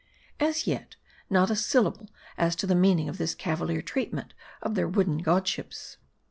As yet, not a syllable as to the meaning of this cavalier treatment of their wooden godships.